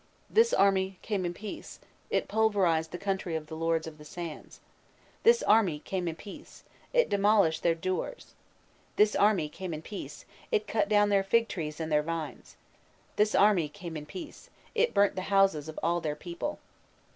This army came in peace, it pulverized the country of the Lords of the Sands. This army came in peace, it demolished their 'douars.' This army came in peace, it cut down their fig trees and their vines. This army came in peace, it burnt the houses of all their people.